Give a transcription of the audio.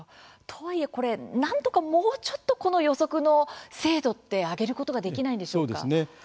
とはいえ、なんとかもうちょっとこの予測の精度って上げることができないんでしょうか？